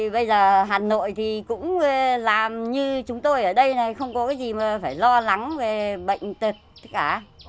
bây giờ hà nội cũng làm như chúng tôi ở đây không có gì phải lo lắng về bệnh tật cả